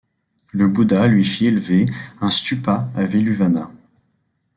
Le Bouddha lui fit élever un stupa à Veluvana.